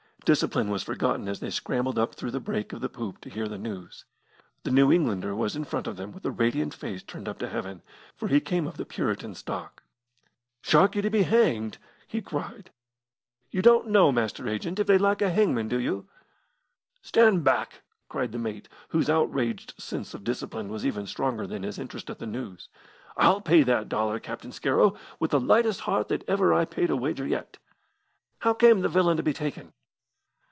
Discipline was forgotten as they scrambled up through the break of the poop to hear the news. The New Englander was in the front of them with a radiant face turned up to Heaven, for he came of the Puritan stock. "Sharkey to be hanged!" he cried. "You don't know, Master Agent, if they lack a hangman, do you?" "Stand back!" cried the mate, whose outraged sense of discipline was even stronger than his interest at the news. "I'll pay that dollar, Captain Scarrow, with the lightest heart that ever I paid a wager yet. How came the villain to be taken?"